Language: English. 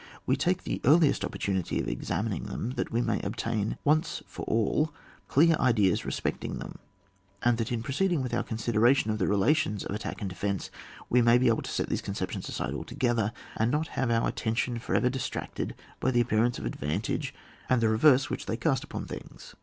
We take the earliest opportunity of examining them, that we may obtain once for all clear ideas respect ing them, and that, in proceeding with our consideration of the relations of at tack and defence, we may be able to set these conceptions aside altogether, and not have our attention for ever distracted by the appearance of advantage and the re verse which they cast upon things.